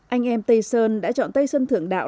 anh em tây sơn đã chọn tây sơn thượng đạo